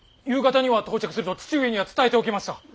夕方には到着すると父上には伝えておきました。